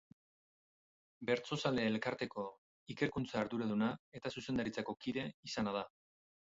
Bertsozale Elkarteko ikerkuntza arduraduna eta zuzendaritzako kide izana da.